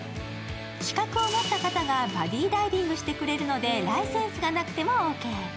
資格を持った方がバディダイビングしてくれるので、ライセンスがなくてもオッケー。